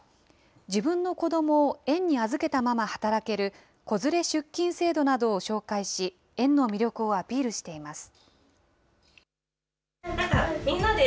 自分の子どもを園に預けたまま働ける子連れ出勤制度などを紹介し、園の魅力をアピールしています。